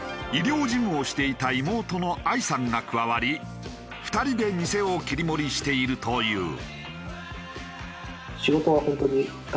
医療事務をしていた妹の藍さんが加わり２人で店を切り盛りしているという。